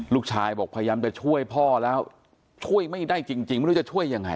ลูกชายบอกพยายามจะช่วยพ่อแล้วช่วยไม่ได้จริงไม่รู้จะช่วยยังไง